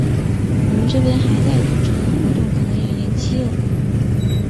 我们这边还在堵车，活动可能要延期了。